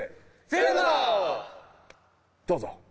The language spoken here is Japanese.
どうぞ。